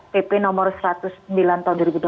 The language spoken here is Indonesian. pp nomor satu ratus sembilan tahun dua ribu dua belas